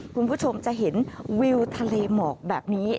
คุณผู้ชมจะเห็นวิวทะเลหมอกแบบนี้